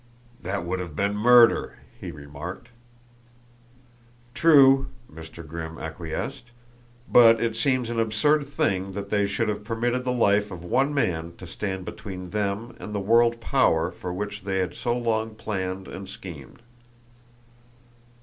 "That would have been murder," he remarked. "True," Mr. Grimm acquiesced, "but it seems an absurd thing that they should have permitted the life of one man to stand between them and the world power for which they had so long planned and schemed.